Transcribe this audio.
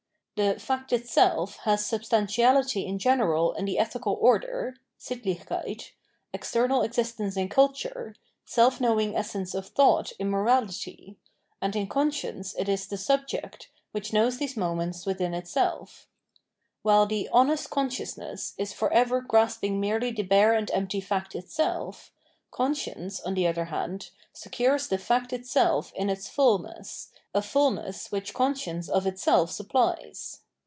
The " fact itself " has substantiality in general in the ethical order {SiMlichheit), external existence in culture, self knowing essence of thought in morality ; and in conscience it is the Subject, which knows these moments within itself. While the " honest consciousness " is for ever grasping merely the bare and empty " fact itself," conscience, on the other hand, secures the " fact itself " in its fullness, a fullness which conscience of itseK supplies.